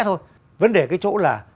thôi vấn đề cái chỗ là